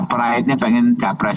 pak prabowo yang pengen capres